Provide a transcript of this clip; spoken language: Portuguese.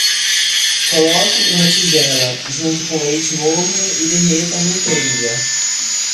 Coloque em uma tigela, junto com leite morno e derreta a manteiga.